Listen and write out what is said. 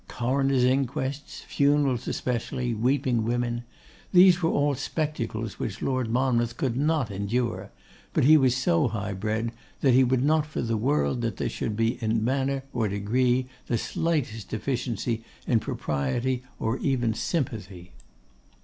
Coroners' inquests, funerals especially, weeping women, these were all spectacles which Lord Monmouth could not endure, but he was so high bred, that he would not for the world that there should be in manner or degree the slightest deficiency in propriety or even sympathy.